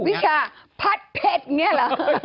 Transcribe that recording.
วิชาผัดเผ็ดเหมือนเนี่ยเหรอ